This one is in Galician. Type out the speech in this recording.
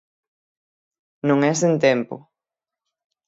Non é sen tempo.